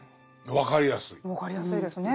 分かりやすいですね。